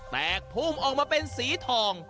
พุ่งออกมาเป็นสีทอง